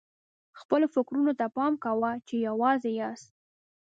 خپلو فکرونو ته پام کوه چې یوازې یاست.